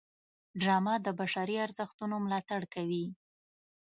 ډرامه د بشري ارزښتونو ملاتړ کوي